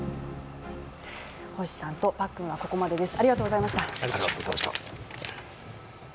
星さんとパックンはここまでです。